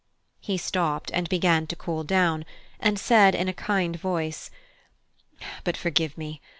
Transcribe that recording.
He stopped, and began to cool down, and said in a kind voice: "But forgive me!